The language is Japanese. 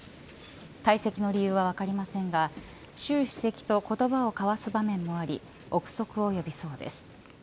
退席の理由は分かりませんが習主席と言葉を交わす場面もあり臆測を呼びそうです。